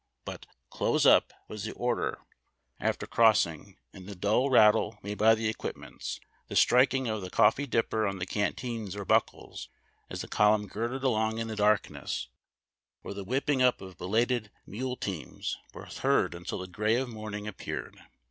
But " close up !" was the order after 346 HABD TACK AND COFFEE. crossing, and the dull rattle made by the equipments, the striking of the coftee dipper on the canteen or buckles, as the column glided along in the darkness, or the whipping up of belated mule teams, was heard until the gray of morning appeared.